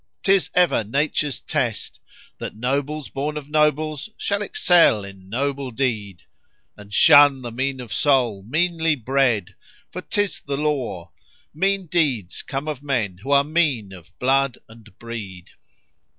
'tis ever Nature's test * That nobles born of nobles shall excel in noble deed: And shun the mean of soul, meanly bred, for 'tis the law, * Mean deeds come of men who are mean of blood and breed."